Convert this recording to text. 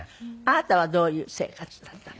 あなたはどういう生活だった。